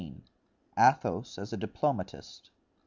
Athos as a Diplomatist.